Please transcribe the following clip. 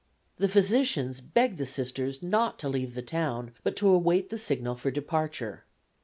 The physicians begged the Sisters not to leave the town, but to await the signal for departure.